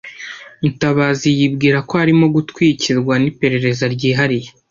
Mutabazi yibwira ko arimo gutwikirwa niperereza ryihariye.